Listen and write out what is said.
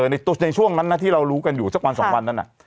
ในช่วงนั้นนะที่เรารู้กันอยู่สักวันสองวันนั้น